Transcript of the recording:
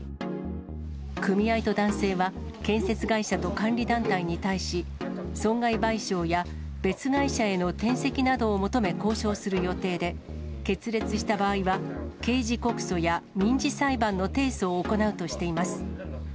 組合と男性は、建設会社と監理団体に対し、損害賠償や別会社への転籍などを求め交渉する予定で、決裂した場合は刑事告訴や民事裁判の提訴を行うとしています。